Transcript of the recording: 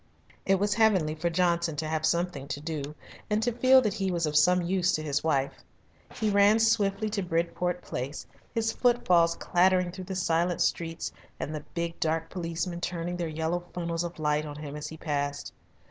It was heavenly for Johnson to have something to do and to feel that he was of some use to his wife. He ran swiftly to Bridport Place, his footfalls clattering through the silent streets and the big dark policemen turning their yellow funnels of light on him as he passed.